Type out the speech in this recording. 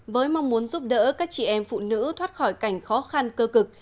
với mong muốn giúp đỡ các chị em phụ nữ thoát khỏi cảnh khó khăn cơ cực